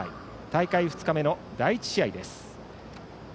大会２日目の第１試合です。